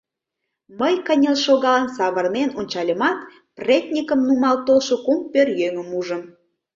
Мый, кынел шогалын, савырнен ончальымат, претньыкым нумал толшо кум пӧръеҥым ужым.